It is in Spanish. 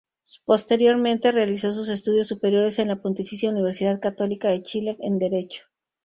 Posteriormente, realizó sus estudios superiores en la Pontificia Universidad Católica de Chile en Derecho.